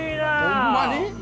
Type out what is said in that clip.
ホンマに？